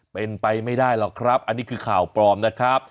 เป็นไปไม่ได้หรอกครับอันนี้คือข่าวปลอมนะครับ